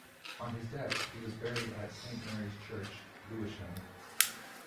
On his death he was buried at Saint Mary's Church, Lewisham.